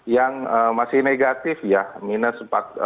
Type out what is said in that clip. yang masih negatif ya minus empat lima puluh satu